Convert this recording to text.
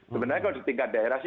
sebenarnya kalau di tingkat daerah sih